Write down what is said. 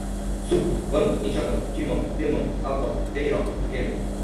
sulco, vanga, enxadão, timão, temão, apo, teiró, relha